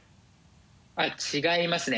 あっ違いますね